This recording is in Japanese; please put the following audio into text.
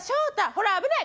ほら危ない！